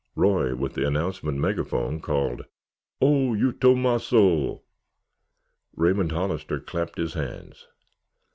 Roy, with the announcement megaphone, called, "Oh, you Tomasso!" Raymond Hollister clapped his hands.